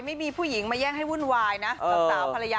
ไม่มีผู้หญิงมาแย่งให้วุ่นวายนะ